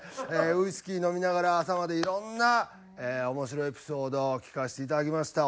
ウイスキー飲みながら朝までいろんな面白エピソードを聞かせていただきました。